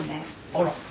あら。